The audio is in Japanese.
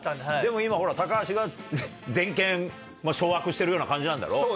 でも今高橋が全権掌握してるような感じなんだろ。